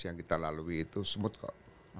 yang kita lalui itu smooth kok